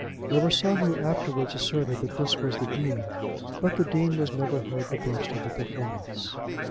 There were some who afterwards asserted that this was the Dean, but the Dean was never heard to boast of the performance.